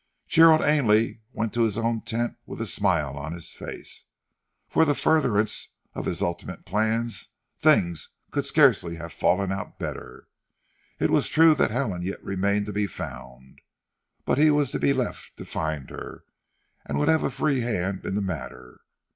Gerald Ainley went to his own tent with a smile on his face. For the furtherance of his ultimate plans things could scarcely have fallen out better. It was true that Helen yet remained to be found; but he was to be left to find her, and was to have a free hand in the matter.